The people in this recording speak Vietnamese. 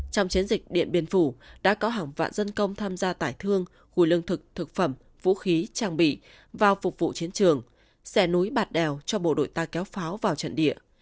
trong chiến dịch điện biên phủ đã có hàng vạn dân công tham gia tải thương hùi lương thực thực phẩm vũ khí trang bị vào phục vụ chiến trường xẻ núi bạt đèo cho bộ đội ta kéo pháo vào trận địa